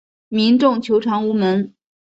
民众求偿无门